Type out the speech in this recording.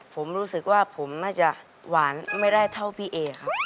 ผมรู้สึกว่าผมน่าจะหวานไม่ได้เท่าพี่เอครับ